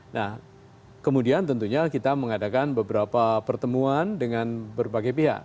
nah kemudian tentunya kita mengadakan beberapa pertemuan dengan berbagai pihak